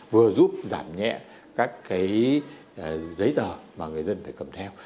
vừa giúp giảm nhẹ các cái giấy tờ mà người dân phải cầm theo